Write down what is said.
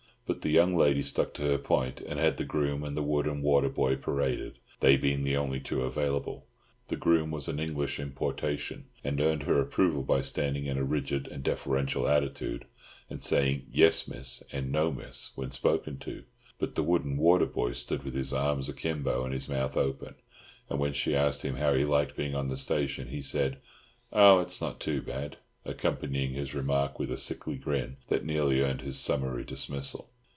But the young lady stuck to her point, and had the groom and the wood and water boy paraded, they being the only two available. The groom was an English importation, and earned her approval by standing in a rigid and deferential attitude, and saying "Yes, Miss," and "No, Miss," when spoken to; but the wood and water boy stood with his arms akimbo and his mouth open, and when she asked him how he liked being on the station he said, "Oh, it's not too bad," accompanying his remark with a sickly grin that nearly earned him summary dismissal.